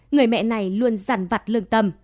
người mẹ này luôn rằn vặt lương tâm